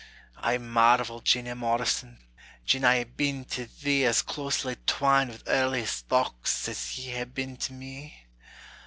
I marvel, Jeanie Morrison, Gin I hae been to thee As closely twined wi' earliest thochts As ye hae been to me?